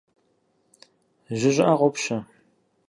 Жьы щӀыӀэ къопщэ.